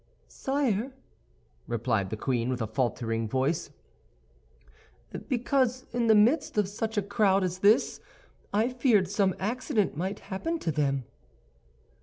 "Sire," replied the queen, with a faltering voice, "because, in the midst of such a crowd as this, I feared some accident might happen to them."